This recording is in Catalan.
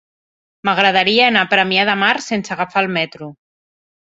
M'agradaria anar a Premià de Mar sense agafar el metro.